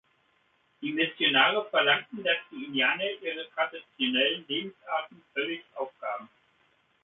Die Missionare verlangten, dass die Indianer ihre traditionelle Lebensart völlig aufgaben.